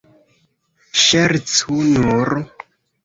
Ŝercu nur!